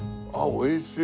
おいしい。